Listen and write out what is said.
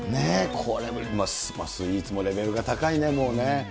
これも、スイーツもレベルが高いね、もうね。